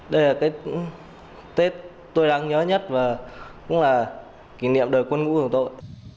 đây là cái tết tôi đáng nhớ nhất và cũng là kỷ niệm đời quân ngũ của tôi